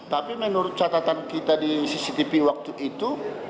tapi menurut catatan kita di cctv waktu itu